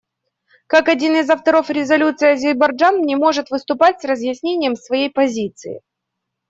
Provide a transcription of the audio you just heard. Как один из авторов резолюции Азербайджан не может выступать с разъяснением своей позиции.